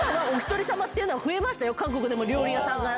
韓国でも料理屋さん。